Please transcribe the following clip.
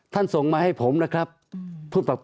ตั้งแต่เริ่มมีเรื่องแล้ว